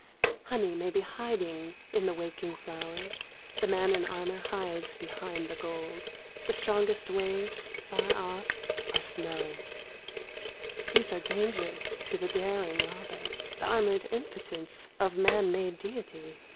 Honey may be hiding in the waking flowers ; The man in armour hides behind the gold. The strongest waves, far off, are snow. 60 " Laughing Lions Will Come." These are dangers to the daring robber, The armoured impotence of man made deity.